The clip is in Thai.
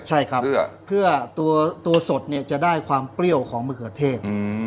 ใช่ครับเพื่อตัวสดเนี่ยจะได้ความเปรี้ยวของมะเขือเทศ